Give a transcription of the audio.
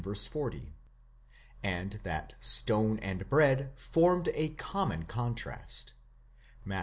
40), and that stone and bread formed a common contrast (Matt.